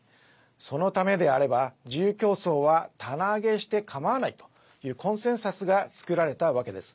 そのためであれば自由競争は棚上げしてかまわないというコンセンサスが作られたわけです。